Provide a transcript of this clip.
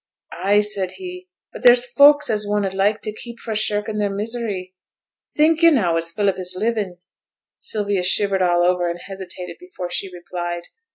'Ay!' said he. 'But there's folk as one 'ud like to keep fra' shirkin' their misery. Think yo' now as Philip is livin'?' Sylvia shivered all over, and hesitated before she replied.